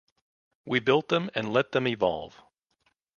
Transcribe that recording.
We built them and let them evolve.